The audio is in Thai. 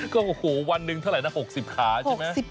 ก็โอ้โหวันหนึ่งเท่าไหร่นะ๖๐ขาใช่ไหม